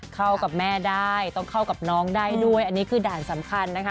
เข้ากับแม่ได้ต้องเข้ากับน้องได้ด้วยอันนี้คือด่านสำคัญนะคะ